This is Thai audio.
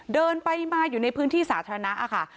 เดินไปมาอยู่ในพื้นที่สาธารณะค่ะ